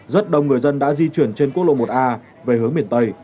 rất đông người dân đã di chuyển trên quốc lộ một a về hướng miền tây